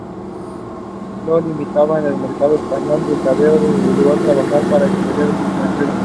Lo limitado del mercado español del tebeo le llevó a trabajar para editores extranjeros.